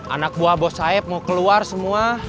anak buah bos saib mau keluar semua